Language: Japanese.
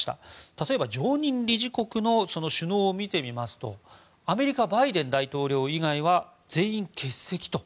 例えば、常任理事国の首脳を見てみますとアメリカ、バイデン大統領以外は全員欠席と。